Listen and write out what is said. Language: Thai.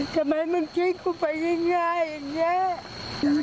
ทำไมมึงกิ๊กกูไปง่ายอย่างนี้